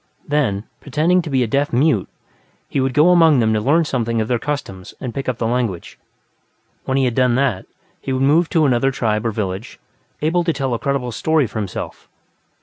Then, pretending to be a deaf mute, he would go among them to learn something of their customs and pick up the language. When he had done that, he would move on to another tribe or village, able to tell a credible story for himself.